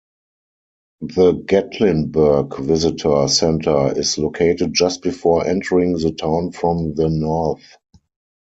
The Gatlinburg visitor center is located just before entering the town from the north.